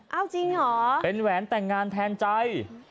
เอาจริงเหรอเป็นแหวนแต่งงานแทนใจ